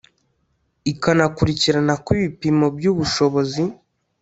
Ikanakurikirana ko ibipimo by ubushobozi